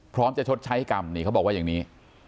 พร้อมจะชดใช้กรรมนี่เขาบอกว่าอย่างนี้